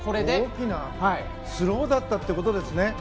大きなスローだったということですね。